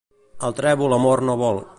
El trèvol amor no vol.